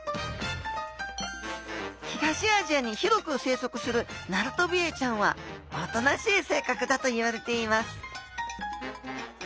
東アジアに広く生息するナルトビエイちゃんはおとなしい性格だといわれています